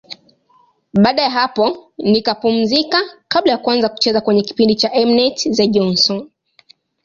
Baada ya hapo nikapumzika kabla ya kuanza kucheza kwenye kipindi cha M-net, The Johnsons.